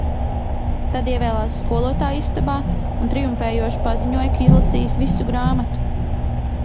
Tad ievēlās skolotāju istabā un triumfējoši paziņoja, ka izlasījis visu grāmatu.